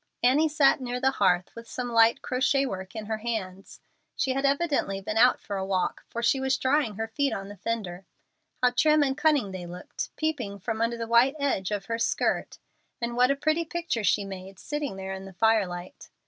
Annie sat near the hearth with some light crochet work in her hands. She had evidently been out for a walk, for she was drying her feet on the fender. How trim and cunning they looked, peeping from under the white edge of her skirt, and what a pretty picture she made sitting there in the firelight!